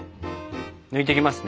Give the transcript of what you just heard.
抜いていきますね。